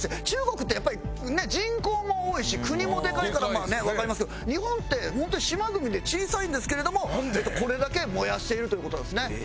中国ってやっぱりね人口も多いし国もでかいからわかりますけど日本ってホントに島国で小さいんですけれどもこれだけ燃やしているという事なんですね。